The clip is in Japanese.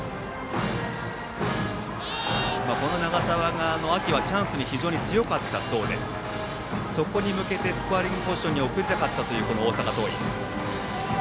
この長澤は秋はチャンスに非常に強かったそうでそこに向けてスコアリングポジションに送りたかったという大阪桐蔭。